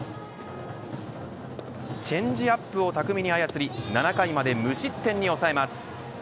チェンジアップを巧みに操り７回まで無失点に抑えます。